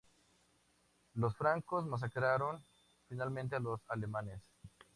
Los francos masacraron finalmente a los alamanes.